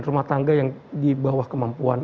rumah tangga yang di bawah kemampuan